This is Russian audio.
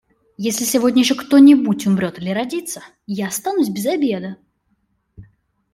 Если сегодня еще кто-нибудь умрет или родится, я останусь без обеда.